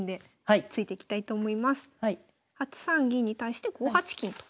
８三銀に対して５八金と。